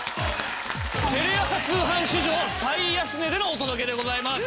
テレ朝通販史上最安値でのお届けでございます。